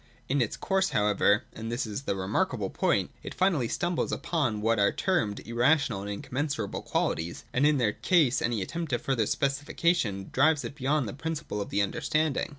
In its course, however (and this is the remarkable point), it finally stumbles upon what are termed irrational and incommensurable quantities ; and in their case any attempt at further specification drives it beyond the principle of the understanding.